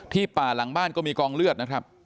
ป่าหลังบ้านก็มีกองเลือดนะครับ